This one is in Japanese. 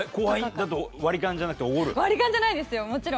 割り勘じゃないですよもちろん。